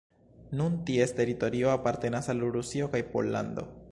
Nun ties teritorio apartenas al Rusio kaj Pollando.